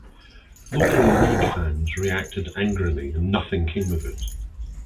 Local league fans reacted angrily and nothing came of it.